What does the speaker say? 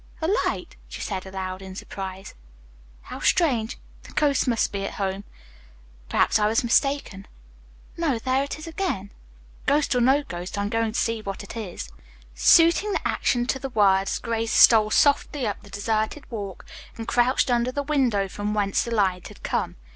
"A light," she said aloud in surprise. "How strange. The ghost must be at home. Perhaps I was mistaken. No, there it is again. Ghost or no ghost, I'm going to see what it is." Suiting the action to the words, Grace stole softly up the deserted walk and crouched under the window from whence the light had come.